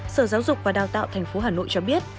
sở giáo dục và đào tạo tp hà nội cho biết